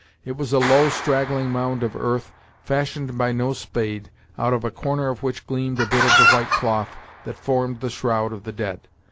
It was a low, straggling mound of earth, fashioned by no spade, out of a corner of which gleamed a bit of the white cloth that formed the shroud of the dead.